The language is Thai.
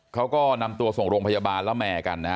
เขาก็นำตัวส่งโรงพยาบาลละแม่กันนะฮะ